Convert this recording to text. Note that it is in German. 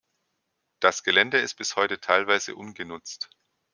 Das Gelände ist bis heute teilweise ungenutzt.